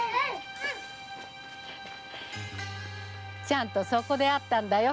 ちゃんとそこで会ったんだよ。